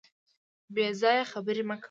بې ځایه خبري مه کوه .